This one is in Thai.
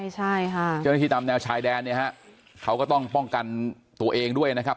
ใช่ค่ะเจ้าหน้าที่ตามแนวชายแดนเนี่ยฮะเขาก็ต้องป้องกันตัวเองด้วยนะครับ